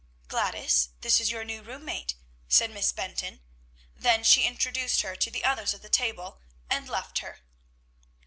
"Gladys, this is your new room mate," said Miss Benton. Then she introduced her to the others at the table, and left her.